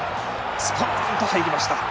スポーンと入りました。